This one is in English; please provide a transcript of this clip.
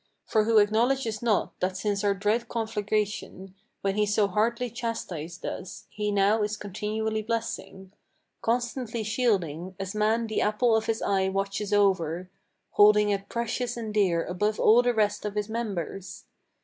For who acknowledges not, that since our dread conflagration, When he so hardly chastised us, he now is continually blessing, Constantly shielding, as man the apple of his eye watches over, Holding it precious and dear above all the rest of his members?